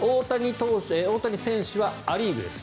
大谷選手はア・リーグです。